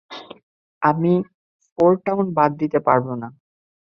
আমরা ফোরটাউন বাদ দিতে পারব না!